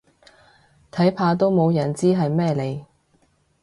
睇怕都冇人知係咩嚟